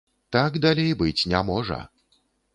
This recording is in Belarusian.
Так далей быць не можа.